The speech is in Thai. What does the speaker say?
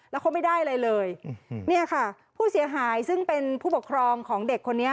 แล้วเขาไม่ได้อะไรเลยเนี่ยค่ะผู้เสียหายซึ่งเป็นผู้ปกครองของเด็กคนนี้